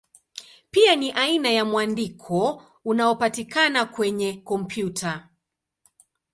Pia ni aina ya mwandiko unaopatikana kwenye kompyuta.